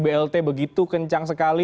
blt begitu kencang sekali